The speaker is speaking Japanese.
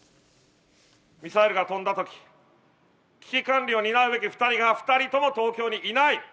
ミサイルが飛んだとき、危機管理を担うべき２人が、２人とも東京にいない。